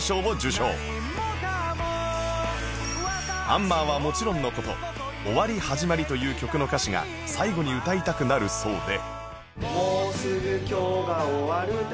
『アンマー』はもちろんの事『オワリはじまり』という曲の歌詞が最後に歌いたくなるそうで